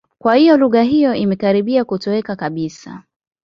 Kwa hiyo lugha hiyo imekaribia kutoweka kabisa.